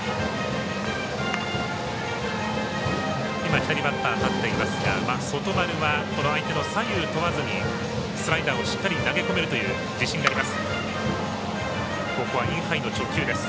左バッター立っていますが外丸は相手の左右問わずにスライダーをしっかり投げ込めるという自信があります。